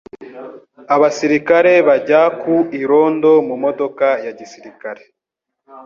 Abasirikare bajya ku irondo mu modoka ya gisirikare.